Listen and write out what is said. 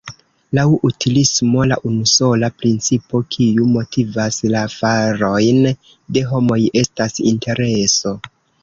Laŭ utilismo la unusola principo kiu motivas la farojn de homoj estas intereso.